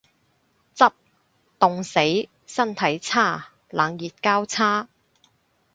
執，凍死。身體差。冷熱交叉